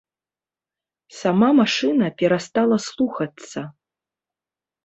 Сама машына перастала слухацца.